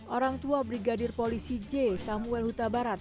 orang tua brigadir polisi j samuel huta barat